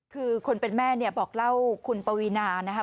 คุณเป็นแม่บอกเล่าคุณปวีนานะครับ